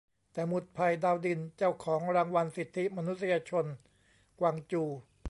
แต่"หมุดไผ่ ดาวดิน" เจ้าของรางวัลสิทธิมนุษยชนกวางจู"